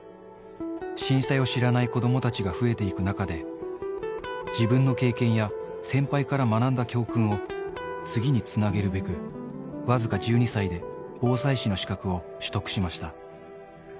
震災を知らない子どもたちが増えていく中で、自分の経験や先輩から学んだ教訓を次につなげるべく、僅か１２歳で防災士の資格を取得しました。